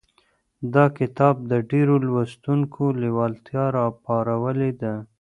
دا کتاب د ډېرو لوستونکو لېوالتیا راپارولې ده.